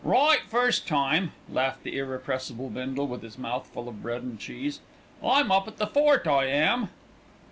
"Right, first time!" laughed the irrepressible Bindle with his mouth full of bread and cheese. "I'm up at the fort, I am."